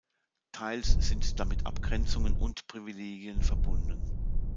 Teils sind damit Abgrenzungen und Privilegien verbunden.